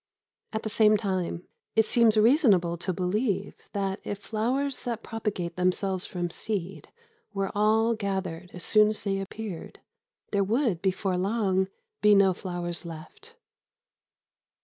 At the same time, it seems reasonable to believe that if flowers that propagate themselves from seed were all gathered as soon as they appeared, there would before long be no flowers left.